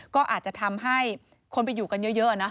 ก็อาจจะทำให้คนไปอยู่กันเยอะนะ